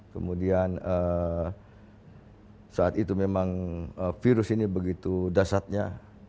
kemudian saat itu memang virus ini begitu dasarnya